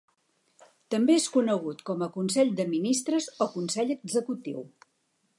També és conegut com a Consell de Ministres o Consell Executiu.